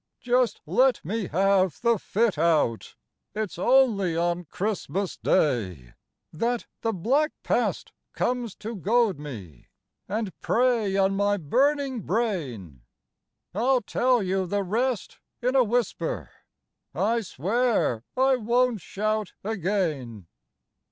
Just let me have the fit out. It 's only on Christmas Day That the black past comes to goad me. And prey on my burning brain ; I '11 tell you the rest in a whisper, — I swear I won't shout again.